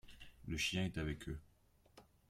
Le chien est avec eux.